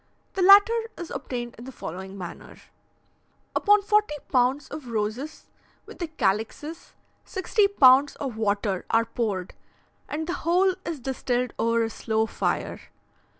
The latter is obtained in the following manner: Upon forty pounds of roses, with the calixes, sixty pounds of water are poured, and the whole is distilled over a slow fire.